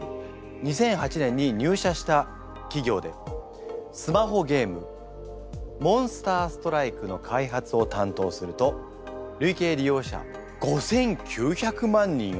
２００８年に入社した企業でスマホゲーム「モンスターストライク」の開発を担当すると累計利用者５，９００万人を突破する大ヒットを記録。